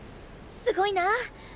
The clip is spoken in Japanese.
すごいなあ！